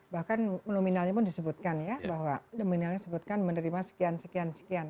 bahkan nominalnya pun disebutkan ya bahwa nominalnya disebutkan menerima sekian sekian sekian